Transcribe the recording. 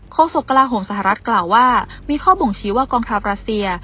โศกกลาโหมสหรัฐกล่าวว่ามีข้อบ่งชี้ว่ากองทัพรัสเซีย